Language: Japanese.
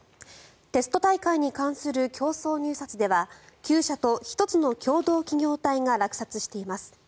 テスト大会に関する競争入札では９社と１つの共同企業体が落札しています。